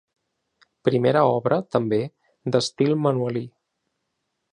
Primera obra, també, d'estil manuelí.